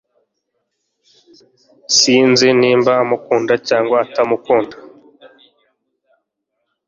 Sinzi niba umukunda cyangwa utamukunda